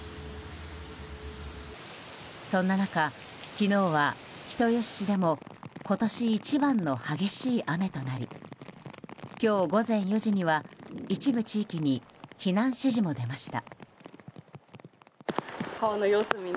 そんな中、昨日は人吉市でも今年一番の激しい雨となり今日午前４時には一部地域に避難指示も出ました。